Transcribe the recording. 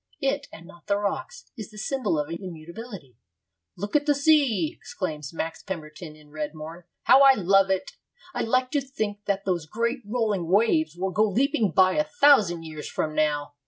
It, and not the rocks, is the symbol of immutability. 'Look at the sea!' exclaims Max Pemberton, in Red Morn. 'How I love it! I like to think that those great rolling waves will go leaping by a thousand years from now.